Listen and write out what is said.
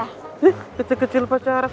eh kecil kecil pacaran